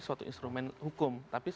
suatu instrumen hukum tapi